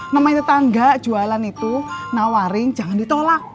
namanya tetangga jualan itu nawaring jangan ditolak